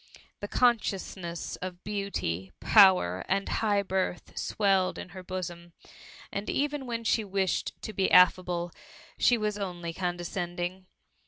The consciousness of beauty, power, and high 260 THK MUMMY. birth swelled in her bosom; and even when she wished to be affable, she was only con descending.